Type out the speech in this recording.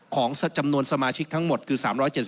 ของจำนวนสมาชิกทั้งหมดคือ๓๗๐